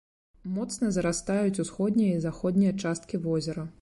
Моцна зарастаюць усходняя і заходняя часткі возера.